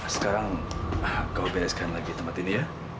sekarang kau bereskan lagi tempat ini ya